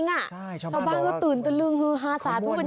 ข้าวบ้านอยู่ตื่นตุลึงฮือข้าม่วน